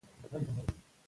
پایلې تایید شوې دي.